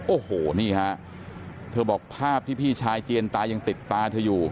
โอ้โหนี่ฮะเธอบอกภาพที่พี่ชายเจียนตายังติดตาเธออยู่